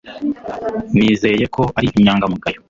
Nizeye ko ari inyangamugayo